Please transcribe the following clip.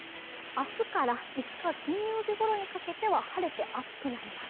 明日から５日金曜日ごろにかけては晴れて暑くなります。